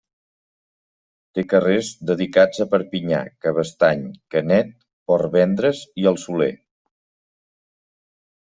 Té carrers dedicats a Perpinyà, Cabestany, Canet, Portvendres i El Soler.